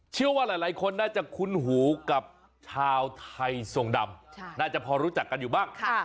ชาวไทยทรงดำกับพระเพศนีที่มีชื่อว่าเสนอเรือนครับ